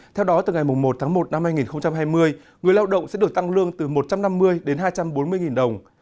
theo đó từ ngày một một hai nghìn hai mươi người lao động sẽ được tăng lương từ một trăm năm mươi hai trăm bốn mươi đồng